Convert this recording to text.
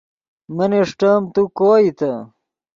من اݰٹیم تو کوئیتے